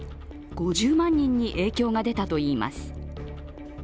５０万人に影響が出たといいます。